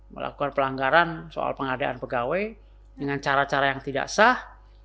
melakukan pelanggaran soal pengadaan pegawai dengan cara cara yang tidak sah